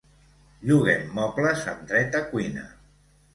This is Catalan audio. Lloguem mobles amb dret a cuina.